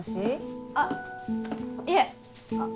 あっいえあの。